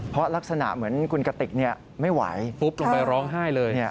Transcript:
เพราะลักษณะเหมือนคุณกติกไม่ไหวปุ๊บลงไปร้องไห้เลย